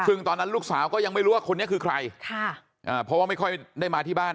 ซึ่งตอนนั้นลูกสาวก็ยังไม่รู้ว่าคนนี้คือใครค่ะอ่าเพราะว่าไม่ค่อยได้มาที่บ้าน